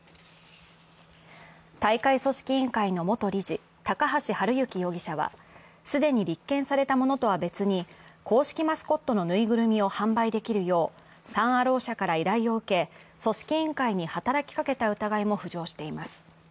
大会組織委員会の元理事・高橋治之容疑者は、既に立件されたものとは別に、公式マスコットのぬいぐるみを販売できるよう、サン・アロー社から依頼を受け組織委員会に働きかけた疑いも浮上しています。